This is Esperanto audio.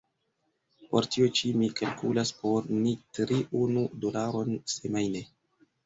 Por tio ĉi mi kalkulas por ni tri unu dolaron semajne.